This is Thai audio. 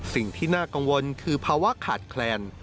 สิ่งที่น่ากังวลคือภาวะขาดแคลน